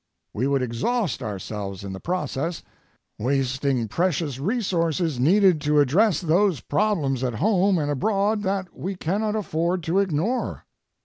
We would exhaust ourselves in the process, wasting precious resources needed to address those problems at home and abroad that we cannot afford to ignore.